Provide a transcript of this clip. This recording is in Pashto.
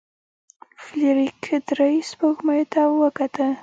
فلیریک درې سپوږمیو ته وکتل.